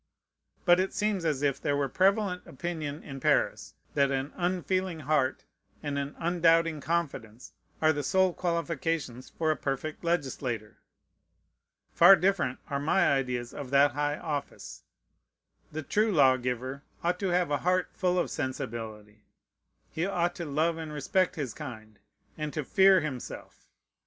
But it seems as if it were the prevalent opinion in Paris, that an unfeeling heart and an undoubting confidence are the sole qualifications for a perfect legislator. Far different are my ideas of that high office. The true lawgiver ought to have a heart full of sensibility. He ought to love and respect his kind, and to fear himself.